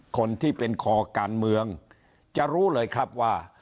คนที่เป็นคอการเมืองจะรู้เลยครับว่า